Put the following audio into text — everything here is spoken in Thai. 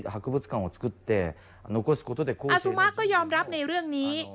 อาซูมะก็ยอมรับในเรื่องนี้